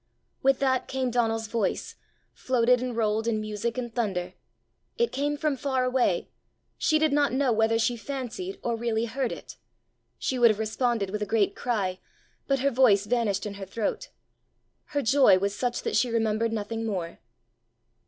With that came Donal's voice, floated and rolled in music and thunder. It came from far away; she did not know whether she fancied or really heard it. She would have responded with a great cry, but her voice vanished in her throat. Her joy was such that she remembered nothing more.